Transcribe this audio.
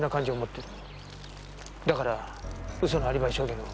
だから嘘のアリバイ証言を。